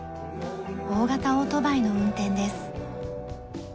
大型オートバイの運転です。